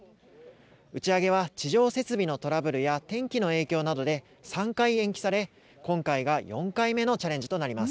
打ち上げは地上設備のトラブルや天気の影響などで３回延期され、今回が４回目のチャレンジとなります。